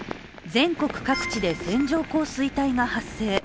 全国各地で線状降水帯が発生。